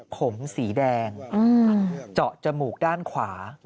ผมสีแดงเจาะจมูกด้านขวา